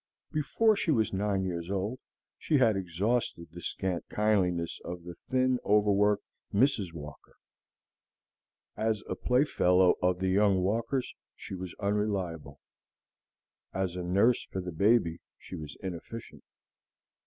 Before she was nine years old, she had exhausted the scant kindliness of the thin, overworked Mrs. Walker. As a playfellow of the young Walkers she was unreliable; as a nurse for the baby she was inefficient.